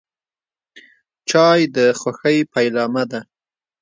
چای د خوښۍ پیلامه ده.